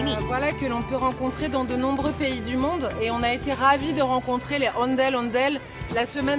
ini adalah boneka raksasa yang dapat dikenali di banyak negara di dunia dan kami senang dapat menemukan ondel ondel di jakarta